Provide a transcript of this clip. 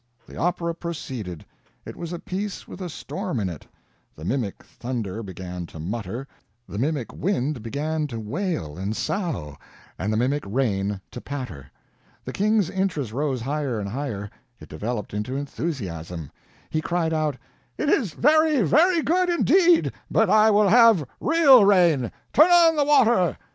The opera proceeded, it was a piece with a storm in it; the mimic thunder began to mutter, the mimic wind began to wail and sough, and the mimic rain to patter. The King's interest rose higher and higher; it developed into enthusiasm. He cried out: "It is very, very good, indeed! But I will have real rain! Turn on the water!"